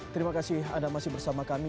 terima kasih anda masih bersama kami